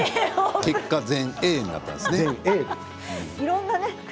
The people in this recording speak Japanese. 結果、全英になったんですね。